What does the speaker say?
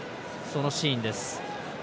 そのシーンです。